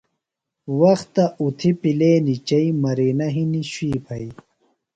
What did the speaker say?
وختہ اُتھیۡ پیلینیۡ چئیۡ، مرینہ ہنیۡ شُوی پھئیۡ